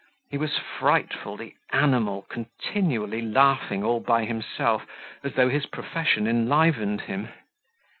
He was frightful, the animal, continually laughing all by himself, as though his profession enlivened him.